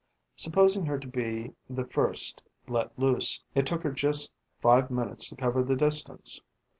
Supposing her to be the first let loose, it took her just five minutes to cover the distance.